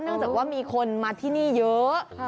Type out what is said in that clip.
จากว่ามีคนมาที่นี่เยอะ